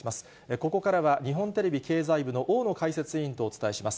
ここからは日本テレビ経済部の大野解説委員とお伝えします。